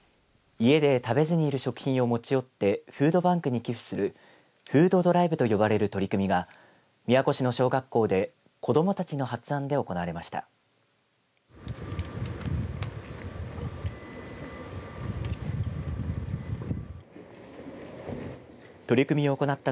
家で食べずにいる食品を持ち寄ってフードバンクに寄付するフードドライブと呼ばれる取り組みが宮古市の小学校で子どもたちの発案で行われました。